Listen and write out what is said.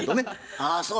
ああそう。